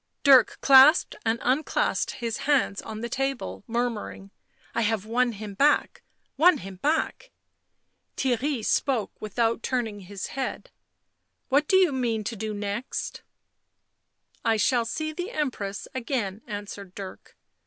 Dirk clasped and unclasped his hands on the table, murmuring :" I have won him back — won him back !" Theirry spoke without turning his head. " What do you mean to do next?" " I shall see the Empress again," answered Dirk.